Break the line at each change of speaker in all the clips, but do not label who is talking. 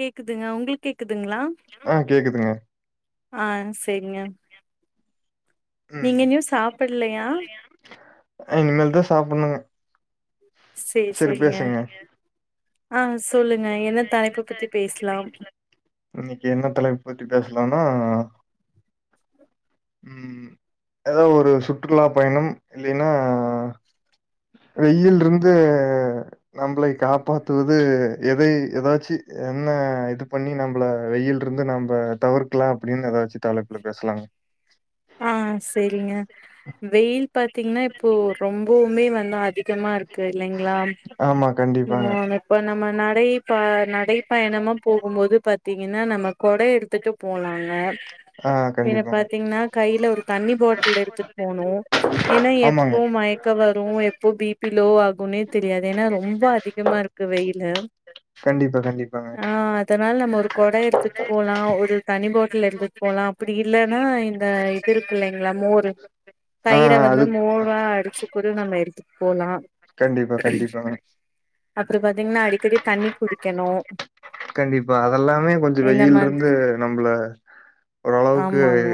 கேக்குதுங்க உங்களுக்கு கேக்குதுங்களா
ஆ கேக்குதுங்க
ஆ சேரிங்க நீங்க
ம்
இன்யு சாப்பிட்லையா
அ இனிமேல் தா சாப்புட்ணுங்க செரி பேசுங்க
அ சொல்லுங்க என்ன தலைப்பு பத்தி பேஸ்லா
இன்னிக்கி என்ன தலைப்பு பத்தி பேஸ்லான்னா ம் எதோ ஒரு சுற்றுலா பயணம் இல்லினா வெய்யில்ருந்து நம்ப்ளை காப்பாத் துவது எதை எதாச்சு என்ன இது பண்ணி நம்புள வெய்யில்ருந்து நம்ப தவிர்க் கல அப்டின்னத வச்சு தலைப்புல பேஸ்லாங்
ஆ சேரிங்க வெய்யில் பாத்தீங்னா இப்போ ரொம்பொவுமே வந் அதிக் கமாருக்கு இல்லைங்ளா
ஆமா கண்டிப்பாங்க
இப்ப நம்ம நடை ப நடைப்பயணமா போ குமோது பாத்தீங்கன்னா நம்ம கொட எடுத்துட்டு போலாங்க
ஆ
எனக்
கண்டிப்பாங்க
பாத்தீங்னா கையில ஒரு தண்ணி பாட்டுல் எடுத்துட் போனு ஏன்னா
ஆமாங்க
எப்போ மயக்க வரு எப்போ பிபி லோ ஆகுன்னே தெரியாது ஏன்னா ரொம் போ அதிகமா இருக்கு வெய்லு
கண்டிப்பா கண்டிப்பாங்க
ஆ த்தனால் நம்ம ஒரு கொட எடுத்துட்டு போலா ஒரு தனி பாட்டுல் எடுத்துட்டு போலா அப்புடி இல்லனா இந்த திருருக் இல்லைங்ளா மோரு
ஆ
தயிர வந்து
அது
மோர்ரா அடிச்சு கூட நம்ம எடுத்துட் போலா
கண்டிப்பா கண்டிப்பாங்க
அப்பற பாத்தீங்ன்னா அடிக்கடி தண்ணி குடிக்கணு
கண்டிப்பா அதல்லாமே கொஞ்ச
இந்த மாதிரி
வெய்யிலருந்து நம்மள ஓரளவுக்கு
ஆமாங்க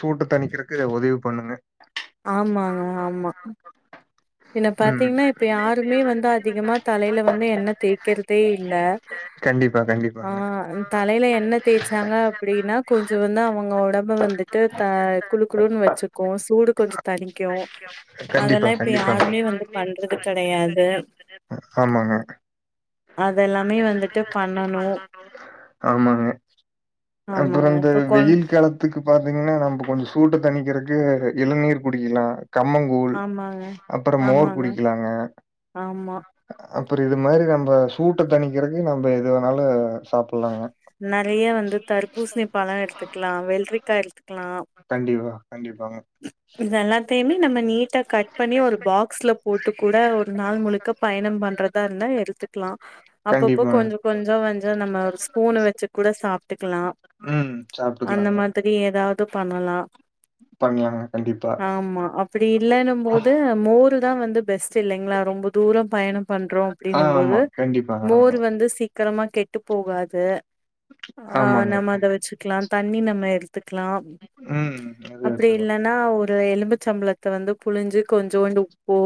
சூட்டு தணிக்கிறக்கு இது உதவி பண்ணுங்க
ஆமாங்க ஆமா என்ன
ம்
பாத்தீங்னா இப்ப யாருமே வந்து அதிகமா தலையில வந்து எண்ன தேக்கற்தே இல்ல
கண்டிப்பா
ஆ
கண்டிப்பாங்க
தலையில என்ன தேச்சாங்க அப்புடினா கொஞ்ச வந்து அவங்க ஒடம்பு வந்து டு த குலு குலுன்னு வச்சுக்கு சூடு கொஞ்ச தனிக்கு
கண்டிப்பா
அதல்லா இப்
கண்டிப்பாங்க
யாருமே வந்து பண்றது கடையாது
ஆமாங்க
அதல்லாமே வந்துட்டு பண்ணனு
ஆமாங்க அப்பற
ஆமாங்க
இந்த
இப்ப கொழ
வெய்யில் காலத் இதுக்கு பாத்தீங்னா நம்ப கொஞ்ச சூட்ட தணிக்கிறக்கு இளநீர் குடிக்கிலா கம்மங் ஊல்
ஆமாங்க
அப்பற மோர்
ஆமாங்க
குடிக்கிலாங்க
ஆமா
அப்புற இது மாரி நம்ப சூட்ட தணிக்கிறக்கு நம்ம எது வேணாலு சாப்புல்லாங்க
நறைய வந்து தரப்பூஸ்ணி பழ எடுத்துக்லா வெல்ரிக்கா எடுத்து க்லா
கண்டிப்பா கண்டிப்பாங்க
இதல்லா பெயுமே நம்ம நீட்டா கட் பண்ணி ஒரு பாக்ஸ்ல போட்டு கூட ஒரு நாள் முழுக் க்க பயணம் பண்றதா இருந்தா எடுத்துக்லா அப்பப்போ
கண்டிப்பாங்க
கொஞ்ச கொஞ்ச வஞ்ச நம்ம ஒரு ஸ்பூன வச்சு கூட சாப்ட்டுக்லா
ம்
அந்த
சாப்ட்டுக்கலாங்க
மா துரி ஏதாவ்து பண்ணலா
பண்லாங்க கண்டிப்பா
ஆமா ப்புடி இல்லேன்னு மோது மோருதா வந்து பெஸ்ட் சில்லைங்ளா ரொம்ப தூர பயணம் பண்றோ
ஆமா.
அப்டின்னும்போது
கண்டிப்பாங்க.
மோர்
ஆமா.
வந்து சீ சகரமா கெட்டு போகாது ஆ
ஆமாங்க.
நம்ம அத வச்சுக்லா தண்ணி நம்ம எடுத்துக்லா
ம் ம் அத
அப்டி இல்லன்னா ஒரு எலும்பிச்சம் பழத்த வந்து புழிஞ்சு கொஞ்சோண்டு உப்பு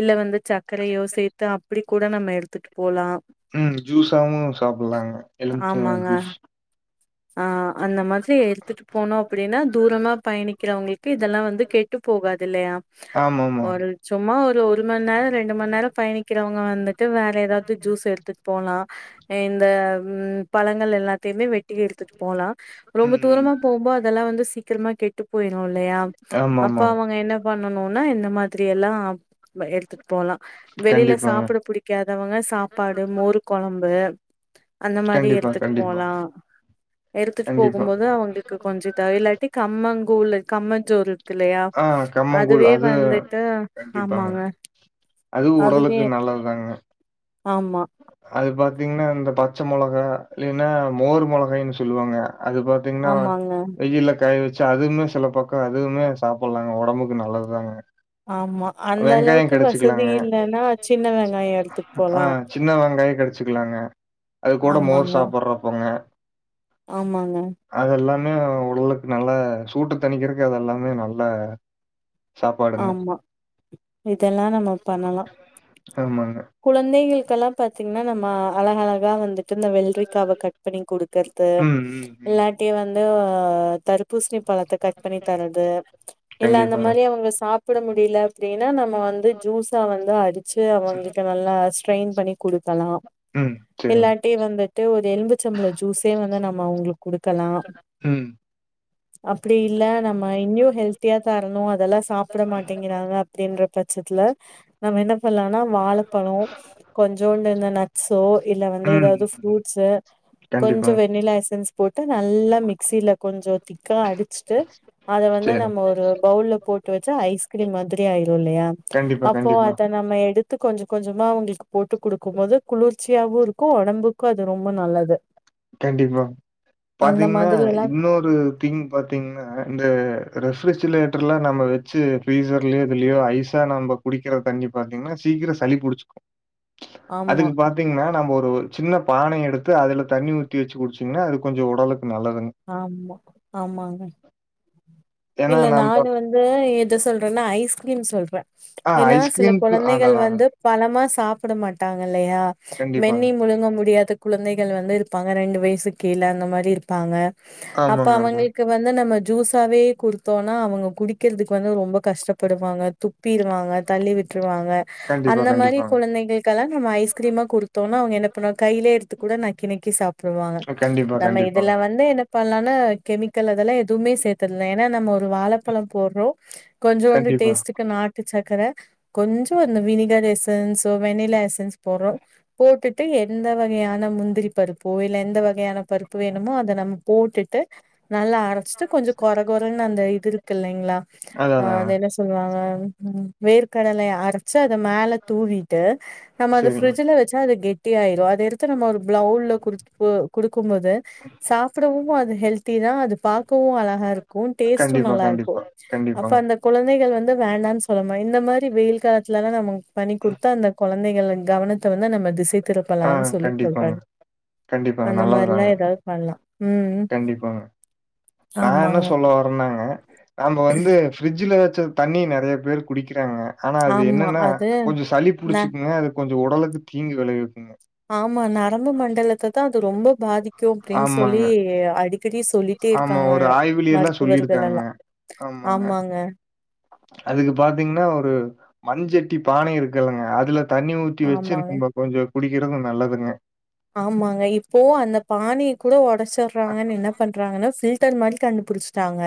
இல்ல வந்து சர்க்கரையோ சேர்த்து அப்டி கூட நம்ம எடுத்துட்டு போலா
ம் ஜூஸாவு சாப்பாட்லாங்க எலுமிச்ச
ஆமாங்க.
ஜூஸ்
ஆ அந்த மாதிரி எடுத்துட்டு போனோ அப்டின்னா தூரமா பயணிக்கிறவங்களுக்கு இதெல்லா வந்து கெட்டு போகாது இல்லையா
ஆமா ஆமா
ஒரு சும்மா ஒரு ஒரு மண்நேர ரெண்டு மண்நேர பயணிக்கிறவங்க வந்துட்டு வேற ஏதாவது ஜூஸ் எடுத்துட்டு போலா ம் இந்த ம் பழங்கள் எல்லாத்தையுமே வெட் டி எடுத்துட்டு போலா ரொம்ப
ம், ம்.
தூரமா போம்போ அதெல்லா வந்து சீக்கிரமா கெட் ட்டு போயிரு இல்லையா அப்ப
ஆமாமாங்க.
அவங்க என்ன பண்ணனும்னா இந்த மாதிரி எல்லா எடுத்துட்டு போலா வெளியில
கண்டிப்பாங்க.
சாப்புட புடிக்காதவங்க சாப்பாடு மோரு கொழம்பு அந்த மாரி
கண்டிப்பா,
எடுத்துட்டு
கண்டிப்பா,
போலா எடுத்துட்டு
கண்டிப்பா.
போகும்போது அவங்களுக்கு கொஞ்ச த இல்லாட்டி கம்மங்கூழு கம்மஞ்சோறு இருக்கு இல்லையா
ஆ கம்மங்கூழ்
அதுவே
அது
வந்துட்டு
கண்டிப்பாங்க.
ஆமாங்க
அது
அதுவே
உடலுக்கு நல்லதுதாங்க
ஆமா
அது பாத்தீங்கன்னா இந்த பச்ச மொளகா இல்லைன்னா மோர் மொளகாய்ன்னு சொல்லுவாங்க அது பாத் தீங்கன்னா
ஆமாங்க
வெயில்ல காய‌ வச் சா அதுவுமே சில பக்கம் அதுவுமே சாப்புட்லாங்க ஒடம்புக்கு நல்லதுதாங்க
ஆமா
வெங்காயம்
அந்தளவுக்கு வசதி
கடிச்சுக்கலாங்க.
இல்லைன்னா சின்ன வெங்காய எடுத்துட்டு
ஆ
போலா
சின்ன வெங்காய கடிச்சிக்கலாங்க அது கூட மோர்
ஆமாங்க
சாப்புட்றோப்போங்க
ஆமாங்க
அது எல்லாமே உடலுக்கு நல்லா சூட்டு தணிக்கிறதுக்கு அதெல்லாமே நல்ல சாப்பாடுங்க.
ஆமா இதெல்லா நம்ம பண்ணலா
ஆமாங்க.
குழந்தைகளுக்குல்லா பாத்தீங்கன்னா நம்ம அழக அழகா வந்துட்டு இந்த வெள்ரிக்காவ கட் பண்ணிக் குடுக் கறது
ம், ம், ம்.
இல்லாட்டி வந்து தருப்பூசணி பழத்த கட் பண்ணி தரது இல்ல அந்த
கண்டிப்பாங்க.
மாரி அவுங்க ஸ் சாப்புட முடியல அப்டின்னா நம்ம வந்து ஜூஸா வந்து அடிச்சு அவுங்களுக்கு நல்லா ஸ்ட்ரெயின் பண்ணி குடுக்கலா
ம். ம். சரிங்க.
இல்லாட்டி வந்துட்டு ஒரு எழும்பிச்ச பழ ஜூஸே வந்து நம்ம அவங்களுக்கு குடுக்கலா
ம்
அப்டி இல்ல நம்ம இன்னயு ஹெல்த்தியா தரணு அதெல்லா சாப் சாப்ட மாட்டேங்கிறாங்க அப்டின்ற பட்சத்துல நம்ம என்ன பண்லாம்னா வாழப்பழோ கொஞ்சோண்டு இந்த நட்ஸோ இல்ல வந்து
ம்,
ஏதாவது
ம்.
ஃப்ரூட்ஸு கொஞ்ச
கண்டிப்பாங்க.
வெண்ணிலா எசன்ஸ் போட்டு நல்ல மிக்சியில கொஞ்ச திக்கா அடிச்சுட்டு அத வந்து
சரி.
நம்ம ஒரு பவுல்ல போட்டு வச் சு ஐஸ்கிரீம் மாதிரி ஆயிரு இல்லையா
கண்டிப்பா,
அப்போ
கண்டிப்பா,
அத நம்ம எடுத்து கொஞ்ச கொஞ்சமா அவங்களுக்கு போட்டு குடுக்கும் போது குளிர்ச்சியாவு இருக்கு ஒடம்புக் கு அது ரொம்ப நல்லது
கண்டிப்பா
அந்த
பாத்தீங்கன்னா
மாதிரி எல்லா
இன்னொரு ஒரு திங் பாத்தீங்கன்னா இந்த ரெஃப்ரிஜிரேட்டர்லா நம்ம வச்சு ஃப்ரீசர்லயோ இதுலயோ ஐசா நம்ம குடிக்கிற தண்ணி பாத்தீங்கன்னா சீக்கிர சளி புடிச்சுக்கு
ஆமா
அதுக்கு பாத்தீங்கன்னா நம்ம ஒரு ஒரு சின்ன பானை எடுத்து அதுல தண்ணி ஊத் தி வச்சு குடிச்சீங்கன்னா அது கொஞ்ச உடலுக்கு நல்லதுங்க
ஆமா ஆமாங்க
ஏன்னா
இல்ல
நம்ப
நானு வந் து எத சொல்றேன்னா ஐஸ்கிரீம் சொல்றே
ஆ
ஏன்னா சில
ஐஸ்கிரீம்க்கு
குழந்தைகள்
அடடாங்க.
வந்து பழமா சாப்பிட மாட்டாங்க இல்லையா
கண்டிப்பாங்க.
மென்னி முழுங்க முடியாது குழந்தைகள் வந்து இருப்பாங்க ரெண்டு வயசு கீழே அந்த மாறி இருப்பாங்க அப்ப
ஆமாங்க, ஆமாங்க.
அவங்களுக்கு இது வந்து நம்ம ஜூஸாவே குடுத்தோன்னா அவங்க குடிக்கிறதுக்கு வந்து ரொம்ப கஷ்டப்படுவாங்க துப்பிருவாங்க தள்ளி விட்டுருவாங்க
கண்டிப்பா,
அந்த மாறி
கண்டிப்பாங்க.
குழந்தைகள் களா நம்ம ஐஸ்கிரீமா கொடுத்தோன்னா அவங்க என்ன பண்ணுவாங்க கைலயே எடுத்து கூட நக்கி நக்கி‌ சாப்டு வாங்க
கண்டிப்பா,
நம்ம
கண்டிப்பாங்க.
இதுல வந்து என்ன பண்லான கெமிக்கல் அதெல்லா எதுவுமே சேர்த்தர்லே என்ன நம்ம ஒரு வாழைப்பழ போட்றோ கொஞ்சோண்டு
கண்டிப்பா.
டேஸ்ட்டுக்கு நாட்டு சக்கரை கொஞ்சோ அந்த வினிகர் எசன்ஸோ வெண்ணிலா எசன்ஸ் போட்றோ போட்டுட்டு எந்த வகையான முந்திரி பருப்போ இல்ல எந்த வகையான பருப்பு வேணுமோ அத நம் போட்டுட்டு நல்லா அரை ச்சிட்டு கொஞ்சோ கொர கொறன்னு அந்த இது இருக்கு இல்லைங்களா
அதான்,
அ
அதாங்க.
அது என்ன சொல்லுவாங்க வேர்க்கடலைய அரைச்சு அத மேல தூவிட்டு நம்ம அத
சரிங்க.
ஃப்ரிட்ஜல வச்சா அது கெட்டியாயிரு அத எடுத்து நம்ம ஒரு பிளவுல குடுக் குடுக்கும் போது சாப்பிடவும் அது ஹெல்தி தா அது பாக்கவு அழகா இருக்கு டேஸ்ட்டு
கண்டிப்பா,
நல்லா இருக்கு
கண்டிப்பா.
அப்ப
கண்டிப்பாங்க.
அந்த குழந்தைகள் வந்து வேண்டான்னு சொல்லாம இந்த மாதிரி வெயில் காலத்துலலா நம்ம பண்ணி கொடுத்தா அந்த கொழந் தைகள் கவனத்த வந்து நம்ம திசைத்
ஆ
திருப்பலான்னு சொல்லி
கண்டிப்பாங்க.
சொல்றாங்க
கண்டிப்பாங்க.
அந்த மாரிலா
நல்லதுதாங்க.
ஏதாவது பண்லா ம்
கண்டிப்பாங்க நா என்ன
ஆமாங்க
சொல்ல வரேனாங்க நம்ப வந்து ஃப்ரிட்ஜ்ல வச்ச தண்ணி நெறயா பேர் குடிக்கிறாங்க ஆனா அது
ஆமா
என்னன்னா
அது
கொஞ்சோ சளி
ந
புடிச்சுக்குங்க அது கொஞ்ச உடலுக்கு தீங்கு விளைவிக்குங்க
ஆமா நரம்பு மண்டலத்த தா அது ரொம்ப பாதிக்கு அப்டின்னு சொல்லி
ஆமாங்க.
அடி க்கடி சொல்லிட்டே
ஆமா.
இருக்காங்க
ஒரு ஆய்விலயெல்லாம்
மருத்துவர்கள் எல்லா
சொல்லியிருக்காங்கங்க.
ஆமாங்க
அதுக்கு பாத்தீங்கன்னா ஒரு மண்சட்டி பானை இருக்குல்லங்க அதுல தண்ணி ஊத்தி வச்சு
ஆமாங்க,
நம்ப கொஞ்சோ குடிக்கறது நல்லதுங்க
ஆமாங்க இப்போவு அந்த பானைய கூட உடைச்சிடுறாங்கன்னு என்ன பண்றாங்கன்னா ஃபில்ட் புத்தர் மாதிரி கண்டுபிடிச்சுட்டாங்க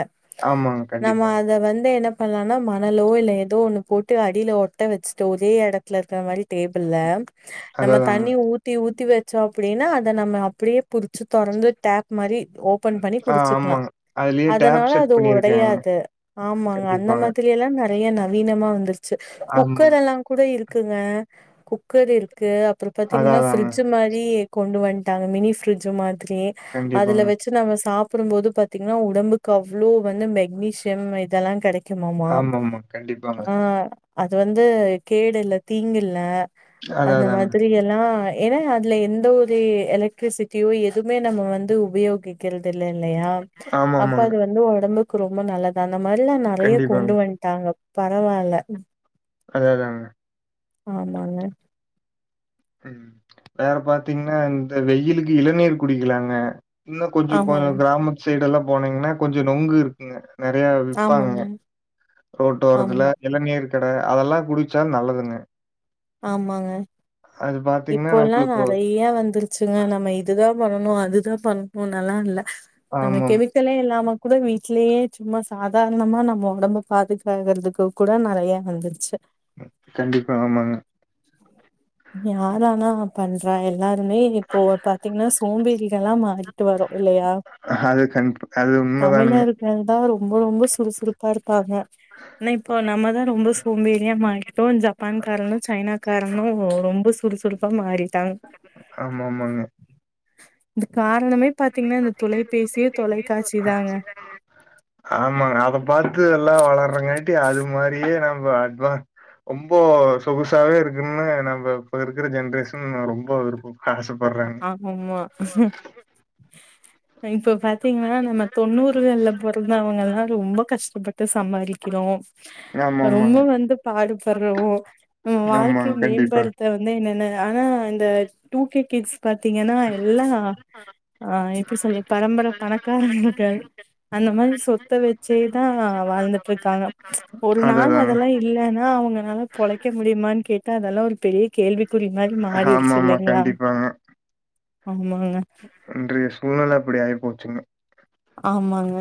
ஆமாங்க,
நம்ம
கண்டிப்பாங்க.
அத வந்து என்ன ப்பலானா மனலோ இல்ல ஏதோ ஒன்னு போட்டு அடியில ஒட்ட வச்சுட்டு ஒரே இடத்துல இருக்குற மாதிரி டேபிள்ல நம்ம
அதாதாங்க. ஆமா.
தண்ணி ஊத் ஊத்தி ஊத்தி வச்சோ அப்டின்னா அத நம்ம அப்டியே புடிச்சு தொறந்து டேப் மாரி ஓபன் பண்ணி
ஆ
குடிச்சுக்கலா
ஆமாங்க. அதுலயே
அதனால
டேப் செட்
அது
பண்ணியிருக்காங்க.
ஒடையாது ஆமாங்க அந்த
கண்டிப்பாங்க.
மாதிரி எல்லா நெறயா நவீனமா வந்துருச்சு
ஆமா.
குக்கர் எல்லா கூட இருக்குங்க குக்கர் இருக்கு அப்றோ
அதான்
பாத்தீங்கன்னா
அதாங்க.
ஃப்ரிஜ் மாரி ஊத்தி கொண்டு வன்ட் டாங்க மினி ஃப்ரிஜ் மாதிரி அதுல
கண்டிப்பாங்க.
வச்சு நம்ம சாப்டும்போது பாத்தீங்கன்னா உடம்புக்கு அவ்ளோ வந்து மெக்னீஷியம் இதெல்லா கெடைக் குமா
ஆமாமா. கண்டிப்பாங்க.
ஆ அது வந்து கேடு இல்ல தீங்கில்ல
அதான்
அந்த
அதாங்க.
மாதிரி எல்லா ஏன்னா அ இல்ல எந்த ஒரு எலக்ட்ரிசிட்டியோ எதுவுமே நம்ம வந்து உபயோகி க்கிறது இல்ல இல்லையா அப்ப
ஆமாமாங்க.
அது வந்து உடம்புக்கு ரொம்ப நல்லது அந்த மாரில்லா நெறயா
கண்டிப்பாங்க.
கொண்டு வன்ட்டாங்க பரவால்ல
அதேதாங்க
ஆமாங்க
வேற பாத்தீங்கன்னா இந்த வெயிலுக்கு இளநீர் குடிக்கலாங்க இன்னு கொஞ்ச கொஞ்ச
ஆமாங்க,
கிராமத்து சைடெல்லா போனீங்கன்னா கொஞ்ச நொங்கு இருக்குங்க நெறயா விப்பாங்க
ஆமாங்க,
ரோட்டு
ஆமா,
ஓரத்துல இளநீர் கட அதெல்லா குடிச்சா நல்லதுங்க
ஆமாங்க
அது பார்த்தீங்கன்னா,
இப்போல்லா
நம்மளுக்கு ஒ
நெறயா வந்திரு ச்சுங்க நம்ம இதுதா பண்ணணு அதுதா பண்ணணுனல்லா இல்ல நம்ம
ஆமாம்.
[unintelligible] ளே இல்லாம கூட வீட்லயே சும்மா சாதாரணமா நம்ம உடம்ப பாதுகாக்குறதுக்கு கூட நெறயா வந்துருச்சு
கண்டிப்பா ஆமாங்க
ஞாரானா பண்றா எல்லாருமே இப்போ பாத்தீங்கன்னா சோம்பேறிகளா மாறிட்டு வரோ இல்லயா
அது கண் அது உண்மதானுங்க
வந்தா ரொம்ப ரொம்ப சுறுசுறுப்பா இருப்பாங்க என்ன இப்போ நம்ம தா ரொம்ப சோம்பேரியா மாறிட்டோ ஜப்பான் காரணு சைனாக்காரணு ரொம்ப சுறுசுறுப்பா மாறி
ஆமா ஆமாங்க
இதுக் காரணமே பாத்தீங்கன்னா இந்த தொலைபேசியே தொலைக்காட்சி தாங்க
ஆமாங்க அத பாத்து எல்லா வளர்றாங்காட்டி அது மாரியே நம்ம அட்வா ரொம்போ சொகுசாவே இருக்குன்னு நம்ம இப்ப இருக்கிற ஜென்ரேஷன் ரொம்ப விருப்ப ஆச
ஆமமா இப்ப பாத்தீங்கன்னா நம்ம தொண்ணூறுகல்ல பொறந்தவங்கல்லா ரொம்ப கஷ்டப்பட்டு சம்பாதிக்கறோ ரொம்ப
ஆமாமாங்க.
வந்து பாடுபட்றோ நம்ம வாழ்க்கைய
ஆமாங்க. கண்டிப்பா.
மேம்படு வந்து என்னென்ன ஆனா இந்த டூ கே கிட்ஸ் பாத்தீங்கன்னா எல்லா ஆ எப்டி சொல்ற பரம்பரை பணக்காரக்கு அந்த மாரி சொத்த வச்சேதான் வாழ்ந்துட்டுருக்காங்க ஒரு நாள்
அதுதாங்க.
அதெல்லாம் இல்லன்னா அவங்கனால பொழைக்க முடியுமான்னு கேட்டா அதெல்லா ஒரு பெரிய கேள்விக்குறி மாரி மாறிருச்சி
ஆமாமா.
இல்லைங்களா
கண்டிப்பாங்க.
ஆமாங்க
இன்றைய சூழ்நெல அப்டி ஆய்போச்சுங்க
ஆமாங்க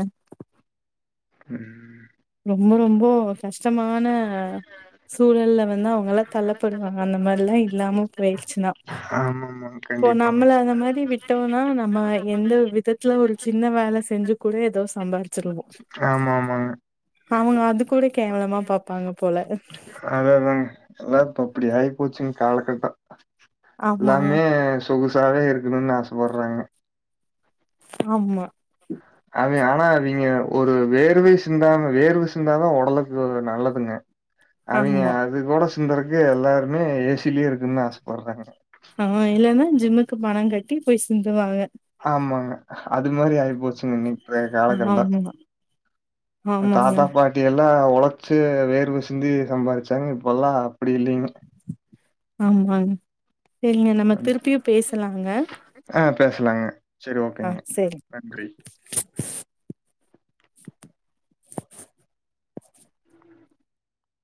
ம்
ரொம்ப ரொம்போ கஷ்டமான ஆ சூழல்ல வந்து அவங்கல்லா தள்ளப்படுவாங்க அந்த மாரில்லா இல்லாம போயிடுச்சுன்னா
ஆமாமா.
இப்போ
கண்டிப்பாங்க.
நம்மள அந்த மாரி விட்டோனா நம்ம எந்த ஒரு விதத்துல ஒரு சின்ன வேல செஞ்சு கூட எதோ சம்பாரிச்சிருவோ
ஆமா ஆமாங்க
அவுங்க அது கூட கேவலமா பாப்பாங்க போல
அதாஅதாங் எல்லா இப்ப அப்டி ஆயி போச்சுங்க காலகட்டோ
ஆமாங்க
எல்லாமே சொகுசாவே இருக்கணுனு ஆசப்பட்றாங்க
ஆமா
அவே ஆனா அவிங்க ஒரு வேர்வை சிந்தாம வேர்வ சிந்தாதா ஒடலுக்கு நல்லதுங்க அவிங்க
ஆமா
அது கூட சிந்தருக்கு எல்லாருமே ஏசிலயே இருக்குன்னு ஆசப்பட்றாங்க
ஆ இல்லன்னா ஜிம்முக்கு பண கட்டி போய் சிந்துவாங்க
ஆமாங்க அது மாரி ஆய்ப்போச் சிங்னி இப்பய காலக்கட்டோ
ஆமா ஆமாங்க
தாத்தா பாட் டியெல்லா ஒழைச்சு வேர்வ சிந்தி சம்பாரிச்சாங்க இப்பல்லா அப்டி இல்லிங்க
ஆமாங்க சேரிங்க நம்ம திருப்பியு பேசலாங்க
ஆ பேசலாங்க சேரி
ஆ
ஓகேங்க
சரி
நன்றி